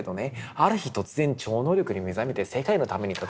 ある日突然超能力に目覚めて世界のために戦うとね。